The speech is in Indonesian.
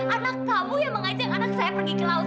anak kamu yang mengajak anak saya pergi ke laut